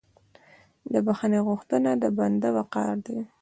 د بخښنې غوښتنه د بنده وقار دی.